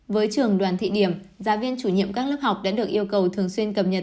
với trường đoàn thị điểm giáo viên chủ nhiệm các lớp học đã được yêu cầu thường xuyên cập nhật